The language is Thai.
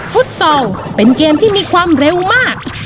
ฟุตซอลเป็นเกมที่มีความเร็วมาก